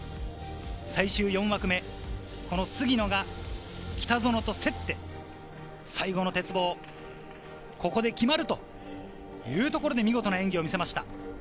最終４枠目、杉野が北園と競って最後の鉄棒、ここで決まるというところで見事な演技を見せました。